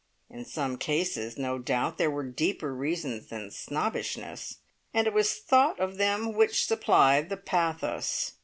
In some cases no doubt there were deeper reasons than snobbishness, and it was thought of them which supplied the pathos.